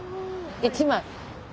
１枚。